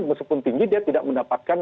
meskipun tinggi dia tidak mendapatkan